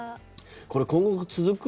これ、今後も続く？